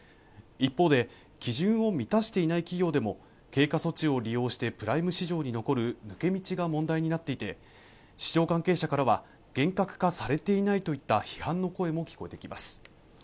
一方で基準を満たしていない企業でも経過措置を利用してプライム市場に残る抜け道が問題になっていて市場関係者からは厳格化されていないといった批判の声も聞こえてきます